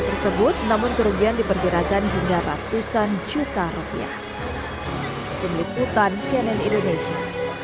tersebut namun kerugian diperkirakan hingga ratusan juta rupiah tim liputan cnn indonesia